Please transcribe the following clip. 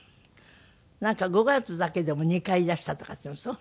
なんか５月だけでも２回いらしたとかっていうのはそう？